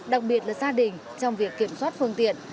đặc biệt là gia đình trong việc kiểm soát phương tiện